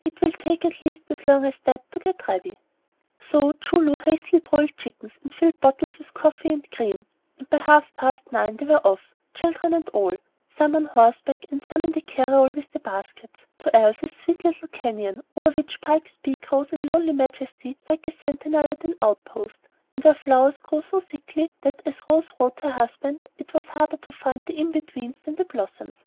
It will take at least as long as that to get ready." So Choo Loo hastily broiled chickens and filled bottles with coffee and cream; and by half past nine they were off, children and all, some on horseback, and some in the carryall with the baskets, to Elsie's "sweet little canyon," over which Pike's Peak rose in lonely majesty like a sentinel at an outpost, and where flowers grew so thickly that, as Rose wrote her husband, "it was harder to find the in betweens than the blossoms."